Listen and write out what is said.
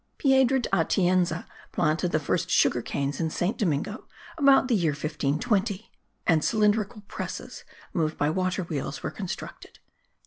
Piedro de Atienza planted the first sugar canes in Saint Domingo about the year 1520; and cylindrical presses, moved by water wheels, were constructed.